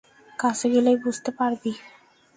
কাছে গেলেই বুঝতে পারবি।